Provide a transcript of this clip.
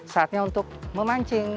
saatnya untuk memancing